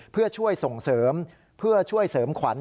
เพื่อช่วยส่งเสริมเพื่อช่วยเสริมขวัญ